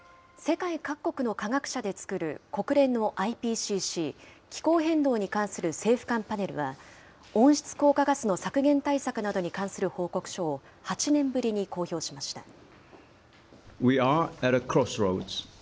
世界各国の科学者で作る国連のＩＰＣＣ・気候変動に関する政府間パネルは、温室効果ガスの削減対策などに関する報告書を８年ぶりに公表しました。